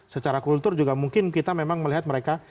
secara kultur juga mungkin kita memang melihat mereka